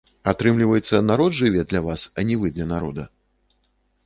Атрымліваецца, народ жыве для вас, а не вы для народа?